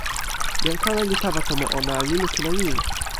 jan kala li tawa tomo ona, li lukin e ni: